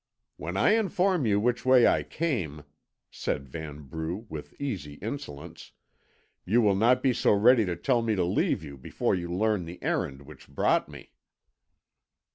"When I inform you which way I came," said Vanbrugh, with easy insolence, "you will not be so ready to tell me to leave you before you learn the errand which brought me."